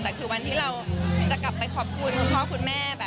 แต่คือวันที่เราจะกลับไปขอบคุณคุณพ่อคุณแม่